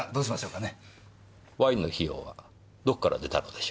ワインの費用はどこから出たのでしょう？